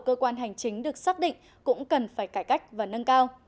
và các cơ quan hành chính được xác định cũng cần phải cải cách và nâng cao